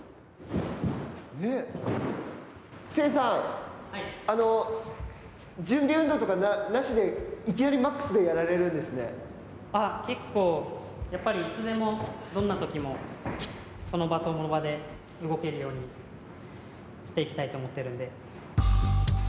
聖さん、準備運動とかなしで、いきなりマックスで結構、やっぱりいつでも、どんなときもその場その場で動けるようにしていきたいと思ってるんで。